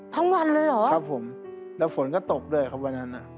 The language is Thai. ทั้งวันเลยเหรอครับผมแล้วฝนก็ตกด้วยครับวันนั้นอ่ะ